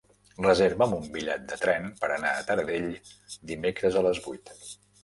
Reserva'm un bitllet de tren per anar a Taradell dimecres a les vuit.